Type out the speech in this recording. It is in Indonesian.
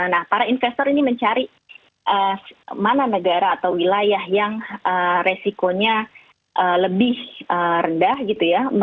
nah para investor ini mencari mana negara atau wilayah yang resikonya lebih rendah gitu ya